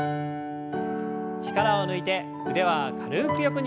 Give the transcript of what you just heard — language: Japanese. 力を抜いて腕は軽く横に振りましょう。